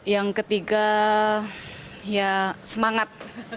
yang ketiga ya semangat